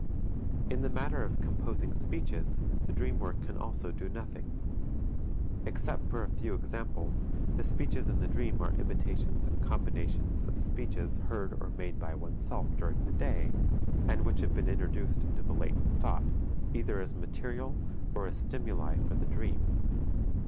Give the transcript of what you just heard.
In the matter of composing speeches, the dream work can also do nothing. Except for a few examples, the speeches in the dream are imitations and combinations of speeches heard or made by oneself during the day, and which have been introduced into the latent thought, either as material or as stimuli for the dream.